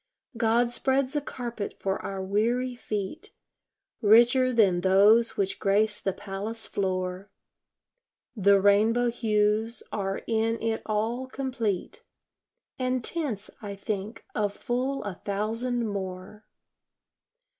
God spreads a carpet for our weary feet, Richer than those which grace the palace floor; The rainbow hues are in it all complete, And tints, I think, of full a thousand more.